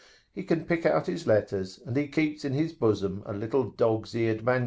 He can pick out his letters, and he keeps in his bosom a little dog's eared MS.